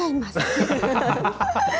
アハハハ！